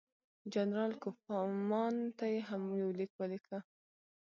جنرال کوفمان ته یې هم یو لیک ولیکه.